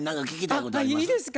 あっいいですか？